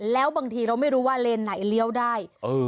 แล้วบางทีเราไม่รู้ว่าเลนไหนเลี้ยวได้